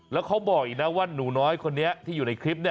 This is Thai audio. แล้วเขาบอกอีกนะว่าหนูน้อยคนนี้ที่อยู่ในคลิป